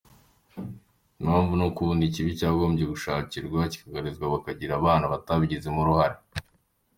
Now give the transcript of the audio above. Impamvu nuko ubundi ikibi cyagombye gushakirwa umuti, kikarandurwa, aho kugikwirakwiza bakiraga abana batakigizemo uruhare.